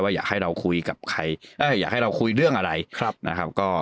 อยากให้เราคุยกับใครอยากให้เราคุยเรื่องอะไรนะครับ